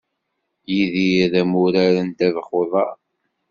Yidir d amurar n ddabex-uḍar.